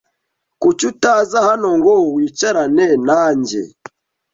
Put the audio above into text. Kuki utaza hano ngo wicarane nanjye?